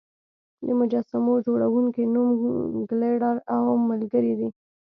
د مجسمو جوړونکي نوم ګیلډر او ملګري دی.